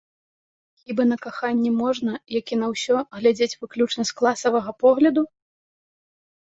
Хіба на каханне можна, як і на ўсё, глядзець выключна з класавага погляду?